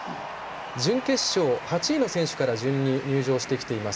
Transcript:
準決勝、８位の選手から順に入場してきています。